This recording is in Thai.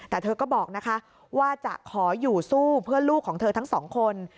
แต่เธอก็บอกนะคะว่าจะขออยู่สู้เพื่อลูกของเธอทั้งสองคน